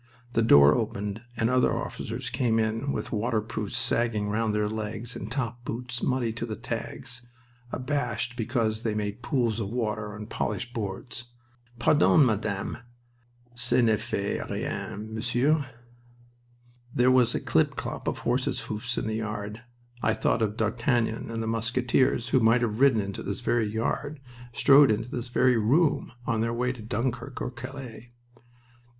The door opened, and other officers came in with waterproofs sagging round their legs and top boots muddy to the tags, abashed because they made pools of water on polished boards. "Pardon, Madame." "Ca ne fait rien, Monsieur." There was a klip klop of horses' hoofs in the yard. I thought of D'Artagnan and the Musketeers who might have ridden into this very yard, strode into this very room, on their way to Dunkirk or Calais.